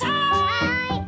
はい！